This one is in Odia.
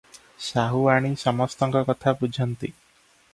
ସାହୁଆଣୀ ସମସ୍ତଙ୍କ କଥା ବୁଝନ୍ତି ।